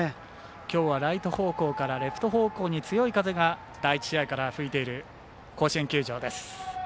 きょうはライト方向からレフト方向に強い風が第１試合から吹いている甲子園球場です。